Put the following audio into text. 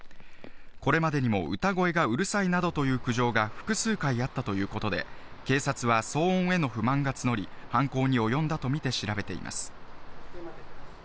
これまでにも歌声がうるさいなどという苦情が複数回あったということで、警察は騒音への不満がつのり、犯行に及んだとみて調べています。